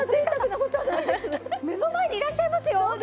目の前にいらっしゃいますよ！